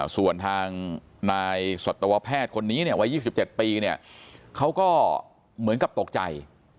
ส่วนทางนายสัตวแพทย์คนนี้เนี่ยวัย๒๗ปีเขาก็เหมือนกับตกใจ